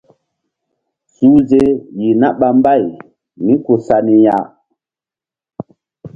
Suhze yeh na ɓa mbay mí ku sa ni ya.